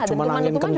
cuma angin kencang aja